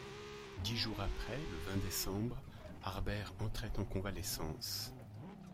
Dix jours après, le vingt décembre, Harbert entrait en convalescence